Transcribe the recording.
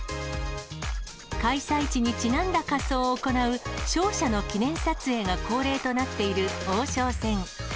開催地にちなんだ仮装を行う勝者の記念撮影が恒例となっている王将戦。